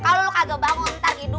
pada situasi garurat ini